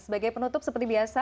sebagai penutup seperti biasa